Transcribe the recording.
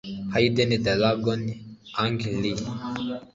Hidden Dragon (Ang Lee